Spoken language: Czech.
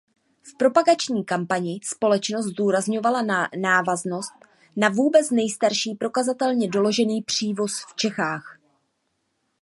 V propagační kampani společnost zdůrazňovala návaznost na vůbec nejstarší prokazatelně doložený přívoz v Čechách.